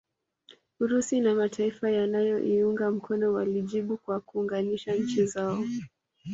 Urusi na mataifa yanayoiunga mkono walijibu kwa kuunganisha nchi zao